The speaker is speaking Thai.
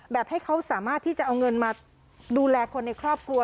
ให้เขาสามารถที่จะเอาเงินมาดูแลคนในครอบครัว